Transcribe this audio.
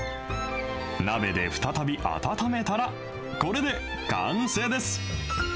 鍋で再び温めたら、これで完成です。